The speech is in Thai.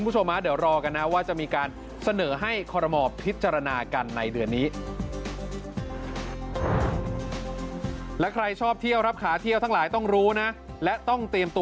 ส่วนคนละครึ่งเฟส๖คุณผู้ชมนะ